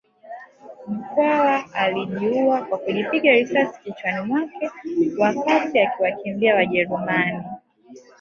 Mkwawa alijiua kwa kujipiga risasi kichwani mwake wakati akiwakimbia Wajerumani